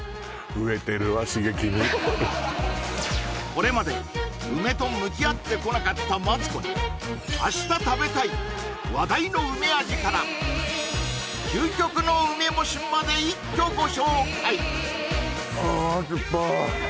これまで梅と向き合ってこなかったマツコに明日食べたい話題の梅味からまで一挙ご紹介！